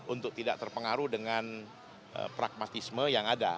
untuk tidak terpengaruh dengan pragmatisme yang ada